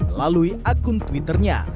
melalui akun twitternya